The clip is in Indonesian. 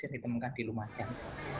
jadi itu memang di lumajang